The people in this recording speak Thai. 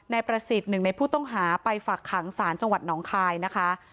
ประสิทธิ์หนึ่งในผู้ต้องหาไปฝากขังศาลจังหวัดหนองคายนะคะ